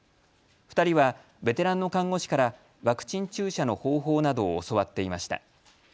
２人はベテランの看護師からワクチン注射の方法などを教わっていました。